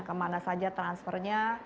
kemana saja transfernya